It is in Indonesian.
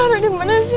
clara dimana sih